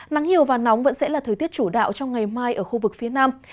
nắng nhiều và nóng vẫn sẽ là thời tiết chủ đạo trong ngày mai ở khu vực phía nam